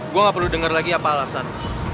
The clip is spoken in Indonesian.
gue gak perlu dengar lagi apa alasan